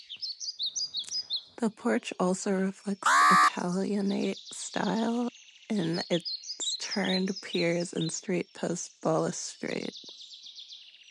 The porch also reflects Italianate style in its turned piers and straight post balustrade.